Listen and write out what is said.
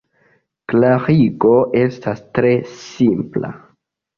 Klarigo estas tre simpla.